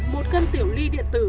một cân tiểu ly điện tử